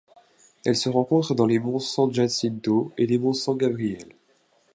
Elle se rencontre dans les monts San Jacinto et les monts San Gabriel.